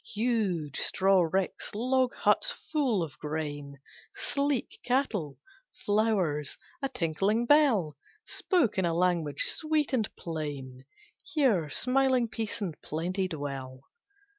Huge straw ricks, log huts full of grain, Sleek cattle, flowers, a tinkling bell, Spoke in a language sweet and plain, "Here smiling Peace and Plenty dwell."